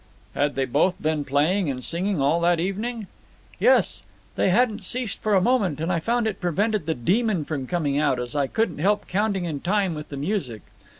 "Had they both been playing and singing all that evening?" "Yes, they hadn't ceased for a moment, and I found it prevented the Demon from coming out, as I couldn't help counting in time with the music.